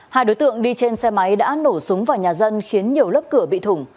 hai đối tượng đi trên xe máy đã nổ súng vào nhà dân khiến nhiều lớp cửa bị thủng